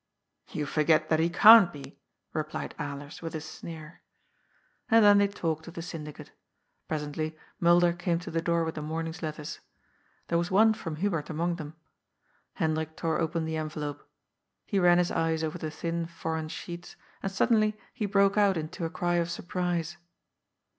"You forget that he can't be," replied Alers, with a sneer. And then they talked of the Syndicate. Presently Mulder came to the door with the morning's letters. There 280 GOD'S FOOL. was one from Hubert among them. Hendrik tore open the envelope. He ran liis eyes over the thin foreign sheets, and suddenly he broke out into a cry of surprise.